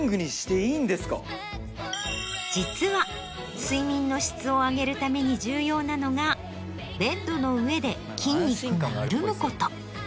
実は睡眠の質を上げるために重要なのがベッドの上で筋肉が緩むこと。